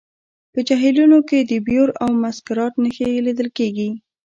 په جهیلونو کې د بیور او مسکرات نښې لیدل کیږي